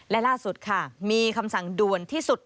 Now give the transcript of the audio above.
และล่าสุดค่ะมีคำสั่งด่วนที่สุด